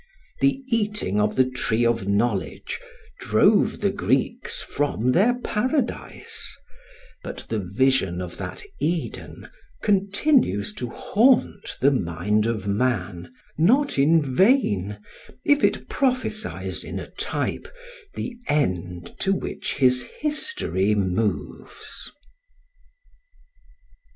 The eating of the tree of knowledge drove the Greeks from their paradise; but the vision of that Eden continues to haunt the mind of man, not in vain, if it prophesies in a type the end to which his history moves.